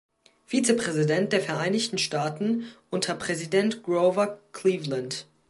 Vizepräsident der Vereinigten Staaten unter Präsident Grover Cleveland.